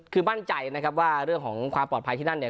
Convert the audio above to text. คือมั่นใจนะครับว่าเรื่องของความปลอดภัยที่นั่นเนี่ย